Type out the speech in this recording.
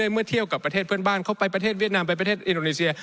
เมื่อเที่ยวกับประเทศเพื่อนบ้านเขาไปประเทศเวียดนามไปประเทศอินโดนีเซีย